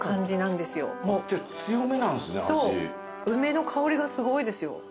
梅の香りがすごいですよ。